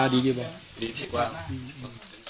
วันนี้ก็จะเป็นสวัสดีครับ